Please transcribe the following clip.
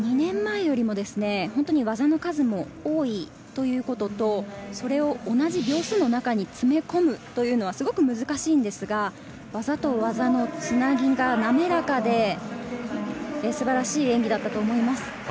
数も多いということとそれを同じ秒数の中に詰め込むというのはすごく難しいのですが、技と技のつなぎが滑らかで素晴らしい演技だったと思います。